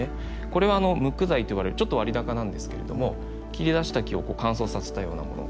これは無垢材といわれるちょっと割高なんですけれども切り出した木を乾燥させたようなもの。